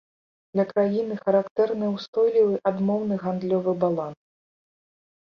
Для краіны характэрны устойлівы адмоўны гандлёвы баланс.